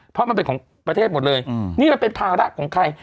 เพราะมันเป็นของประเทศหมดเลยนี่มันเป็นภาระของใคร